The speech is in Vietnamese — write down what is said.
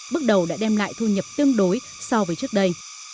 bước đầu đã đem lại thu nhập tương đối so với trước đây